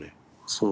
そう。